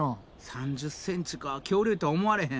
３０ｃｍか恐竜とは思われへん。